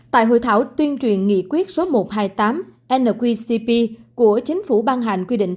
tại hội thảo tuyên truyền nghị quyết số một trăm hai mươi tám nqcp của chính phủ ban hành quy định